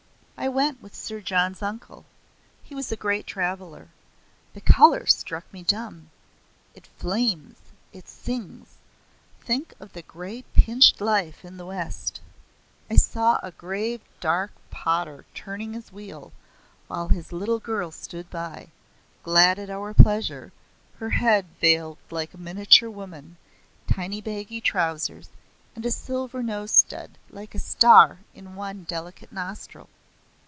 "I went with Sir John's uncle. He was a great traveler. The colour struck me dumb. It flames it sings. Think of the grey pinched life in the West! I saw a grave dark potter turning his wheel, while his little girl stood by, glad at our pleasure, her head veiled like a miniature woman, tiny baggy trousers, and a silver nose stud, like a star, in one delicate nostril.